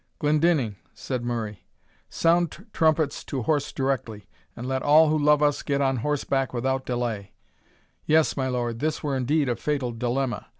"Glendinning," said Murray, "sound trumpets to horse directly, and let all who love us get on horseback without delay Yes, my lord, this were indeed a fatal dilemma.